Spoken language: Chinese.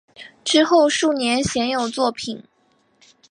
之后数年鲜有作品。